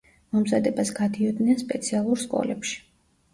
მომზადებას გადიოდნენ სპეციალურ სკოლებში.